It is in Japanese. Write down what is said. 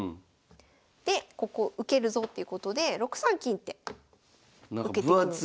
でここ受けるぞっていうことで６三金って受けてくる。